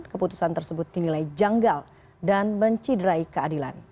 keputusan tersebut dinilai janggal dan menciderai keadilan